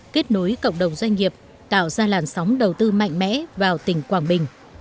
kết nối cộng đồng doanh nghiệp tạo ra làn sóng đầu tư mạnh mẽ vào tỉnh quảng bình